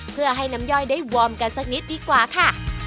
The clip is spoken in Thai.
เพื่อให้น้ำย่อยได้วอร์มกันสักนิดดีกว่าค่ะ